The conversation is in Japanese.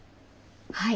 はい。